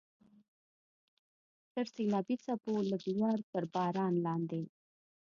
تر سیلابي څپو لږ لوړ، تر باران لاندې.